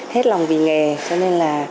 hết lòng vì nghề cho nên là